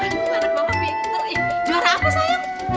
aku anak mama pinter juara apa sayang